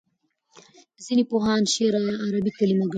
ځینې پوهان شعر عربي کلمه ګڼي.